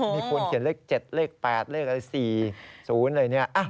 มีคนเขียนเลข๗เลข๘เลขอะไร๔๐อะไรเนี่ย